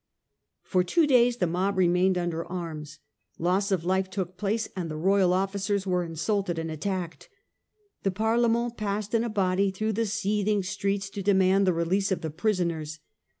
For two days the mob remained under arms ; loss of life took place, and the royal officers were insulted and attacked. The Parlement passed in a body through the seething streets to demand the release of the prisoners.